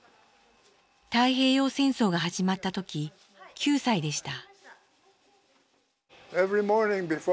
太平洋戦争が始まった時９歳でした。